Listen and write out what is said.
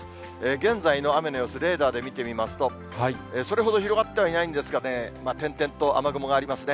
現在の雨の様子、レーダーで見てみますと、それほど広がってはいないんですがね、点々と雨雲がありますね。